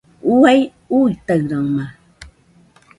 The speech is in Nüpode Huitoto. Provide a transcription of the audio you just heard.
Uai uitaɨrama